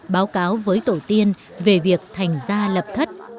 báo cáo với tổ tiên về việc thành gia lập thất